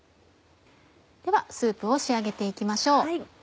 ではスープを仕上げて行きましょう。